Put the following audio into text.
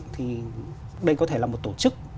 thì đây có thể là một tổ chức